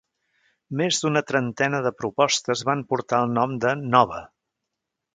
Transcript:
Més d'una trentena de propostes van portar el nom de Nova.